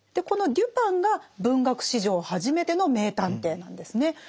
このデュパンが文学史上初めての名探偵なんですね。